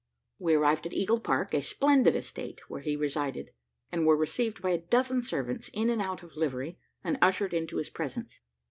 We arrived at Eagle Park, a splendid estate, where he resided, and were received by a dozen servants in and out of livery, and ushered into his presence.